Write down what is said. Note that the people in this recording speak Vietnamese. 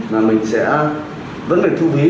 mà mình sẽ vẫn phải thu phí